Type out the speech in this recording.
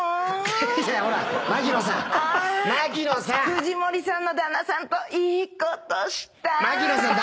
藤森さんの旦那さんといいことしたーい！